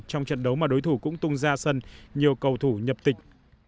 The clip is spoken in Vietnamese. trong trận đấu mà đối thủ cũng tung ra sân nhiều cầu thủ nhập tịch